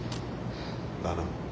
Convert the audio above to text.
だな。